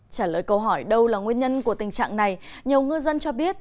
trả lời câu hỏi đâu là nguyên nhân của tình trạng này nhiều ngư dân cho biết